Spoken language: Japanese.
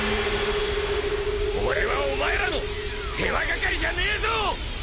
俺はお前らの世話係じゃねえぞ！！